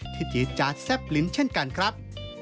จี๊จาดแซ่บลิ้นเช่นกันครับ